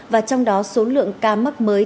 và trong đó số lượng ca mắc mới